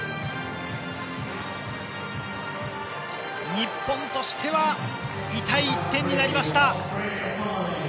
日本としては痛い１点になりました。